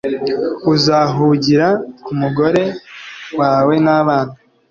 uzahugira ku mugore wawe n'abana,